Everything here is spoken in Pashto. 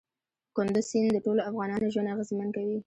کندز سیند د ټولو افغانانو ژوند اغېزمن کوي.